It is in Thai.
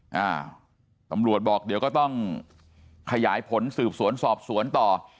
อ่าตำรวจบอกเดี๋ยวก็ต้องขยายผลสืบสวนสอบสวนต่อ